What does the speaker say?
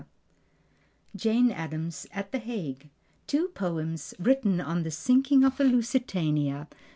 To Jane Addams at the Hague Two Poems, written on the Sinking of the Lusitania.